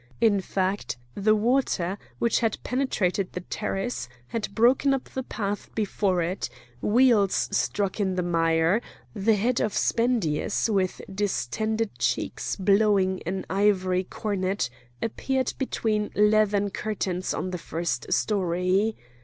In fact, the water, which had penetrated the terrace, had broken up the path before it; its wheels stuck in the mire; the head of Spendius, with distended cheeks blowing an ivory cornet, appeared between leathern curtains on the first story.